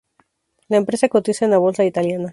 La empresa cotiza en la Bolsa italiana.